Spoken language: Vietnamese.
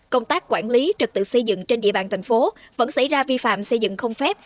công tác quản lý trật tự xây dựng trên địa bàn thành phố vẫn xảy ra vi phạm xây dựng không phép